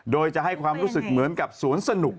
โดยจะให้ความรู้สึกเหมือนกับสวนสนุก